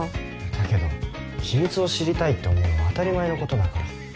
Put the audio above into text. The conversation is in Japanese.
だけど秘密を知りたいって思うのは当たり前のことだから。